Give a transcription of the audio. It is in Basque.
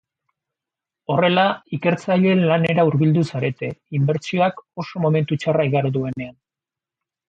Horrela, ikertzaileen lanera hurbildu zarete, inbertsioak oso momentu txarra igaro duenean.